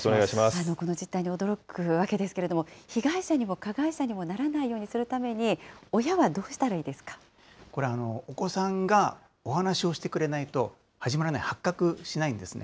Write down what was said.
この実態に驚くわけですけれども、被害者にも加害者にもならないようにするために、親はどうこれ、お子さんがお話をしてくれないと始まらない、発覚しないんですね。